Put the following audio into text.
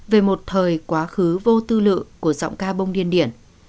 về một thời quá khứ vô tư lự của giọng ca bông điên điển